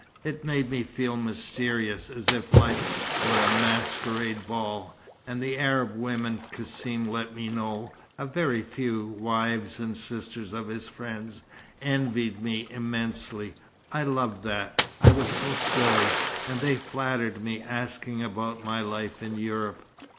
It made me feel mysterious, as if life were a masquerade ball. And the Arab women Cassim let me know a very few, wives and sisters of his friends envied me immensely. I loved that I was so silly. And they flattered me, asking about my life in Europe.